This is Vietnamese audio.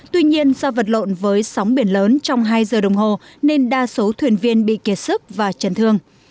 tuy nhiên do vật lộn với sóng biển lớn trong hai giờ đồng hồ nên đa số thuyền viên bị kiệt sức và chấn thương